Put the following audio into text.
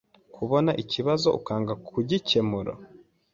kubona ikibazo ukanga kugikemura